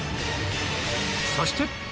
そして！